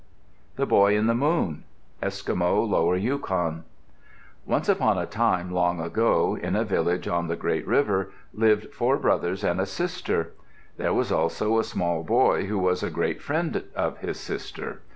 THE BOY IN THE MOON Eskimo (Lower Yukon) Once upon a time, long, long ago, in a village on the great river, lived four brothers and a sister. There was also a small boy who was a great friend of his sister.